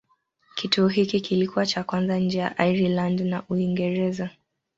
Kituo hiki kilikuwa cha kwanza nje ya Ireland na Uingereza.